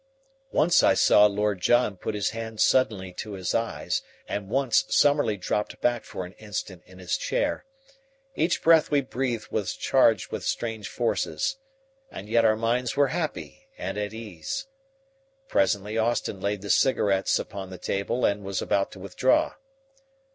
Once I saw Lord John put his hand suddenly to his eyes, and once Summerlee dropped back for an instant in his chair. Each breath we breathed was charged with strange forces. And yet our minds were happy and at ease. Presently Austin laid the cigarettes upon the table and was about to withdraw.